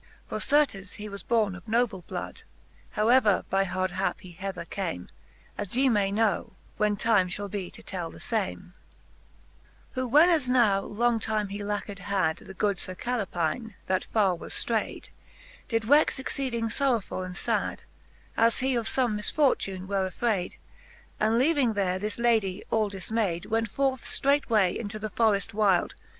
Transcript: For certes he was borne of noble blood,. How ever by hard hap he hether came ; As ye may know, when time fhall be to tell the fame. III... Who* 2'j% ^e fixth Booke of Cant. V. IIL Who when as now long time he lacked had The good Sir Calepine^ that farre was ftrayd, Did wexe exceeding forrowfuU and fad, As he of fome misfortune were afrayd :_ And leaving there this ladie all difmayd. Went forth ftreightway into the forreft wyde.